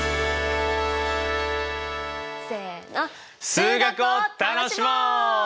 数学を楽しもう！